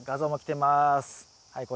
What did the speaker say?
はい。